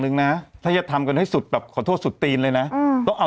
นึงนะถ้าจะทำกันให้สุดแบบขอโทษสุดตีนเลยนะต้องเอา